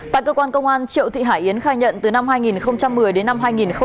tại cơ quan công an triệu thị hải yến khai nhận từ năm hai nghìn một mươi đến năm hai nghìn một mươi bảy